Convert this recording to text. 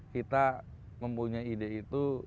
kita mempunyai ide itu